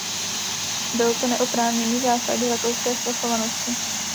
Byl to neoprávněný zásah do rakouské svrchovanosti.